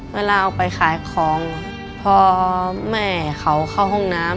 เวลาออกไปขายของพอแม่เขาเข้าห้องน้ำ